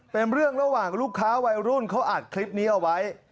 เป็นเรื่องระหว่างลูกค้าวัยรุ่นเขาอัดคลิปนี้เอาไว้